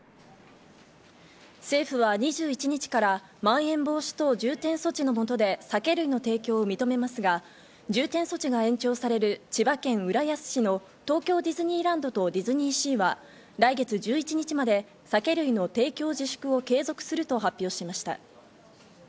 政府は２１日からまん延防止等重点措置のもとで酒類の提供を認めますが、重点措置が延長される千葉県浦安市の東京ディズニーランドとディズニーシーは、来月１１日まで酒類の提供自粛を継続すると発表しました。